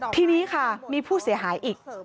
ทีนี้ค่ะมีผู้เสียหายอีก